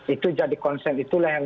itu jadi konsen itulah yang